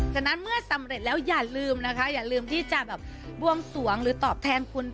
ฉะนั้นเมื่อสำเร็จแล้วอย่าลืมนะคะอย่าลืมที่จะแบบบวงสวงหรือตอบแทนคุณ